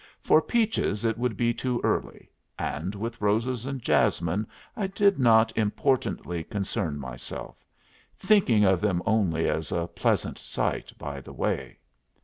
For peaches it would be too early, and with roses and jasmine I did not importantly concern myself, thinking of them only as a pleasant sight by the way.